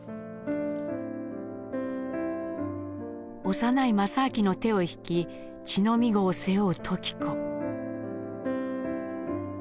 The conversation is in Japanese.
幼い政亮の手を引き乳飲み子を背負う時子。